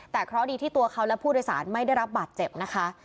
แต่เคราะห์ดีที่ตัวเขาและผู้โดยสารไม่ได้รับบาดเจ็บนะคะ